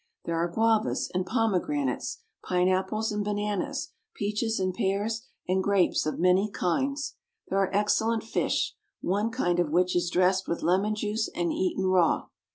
There are guavas and pomegranates, pineapples and bananas, peaches and pears, and grapes of many kinds. There are excellent fish, one kind* of which is dressed with lemon juice and eaten raw.